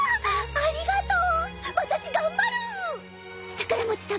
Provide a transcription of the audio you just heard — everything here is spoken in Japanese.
ありがとう。